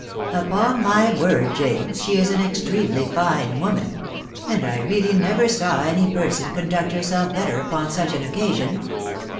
" Upon my word, James, she is an extremely fine woman ; and 1 really never saw any person conduct herself better upon such an occasion.